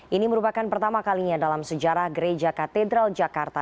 ini merupakan pertama kalinya dalam sejarah gereja katedral jakarta